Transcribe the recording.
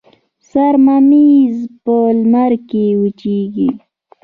سر ممیز په لمر کې وچیږي.